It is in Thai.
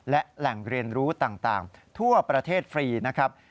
และแหล่งเรียนรู้ต่างทั่วประเทศฟรีนะครับ